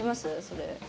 それ。